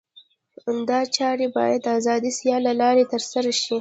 دا چارې باید د آزادې سیالۍ له لارې ترسره شي.